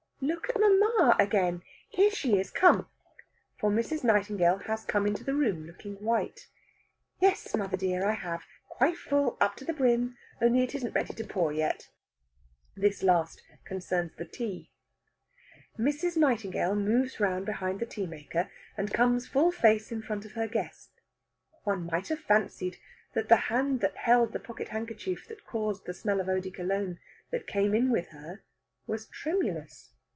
"Look at mamma again! Here she is, come." For Mrs. Nightingale has come into the room, looking white. "Yes, mother dear, I have. Quite full up to the brim. Only it isn't ready to pour yet." This last concerns the tea. Mrs. Nightingale moves round behind the tea maker, and comes full face in front of her guest. One might have fancied that the hand that held the pocket handkerchief that caused the smell of eau de Cologne that came in with her was tremulous.